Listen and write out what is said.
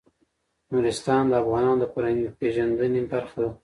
نورستان د افغانانو د فرهنګي پیژندنې برخه ده.